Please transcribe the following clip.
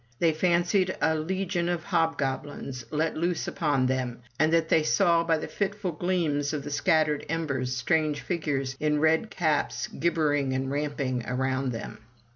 They fancied a legion of hobgoblins let loose upon them, and that they saw, by the fitful gleams of the scattered embers, strange figures, in red caps, gibbering and ramping around them.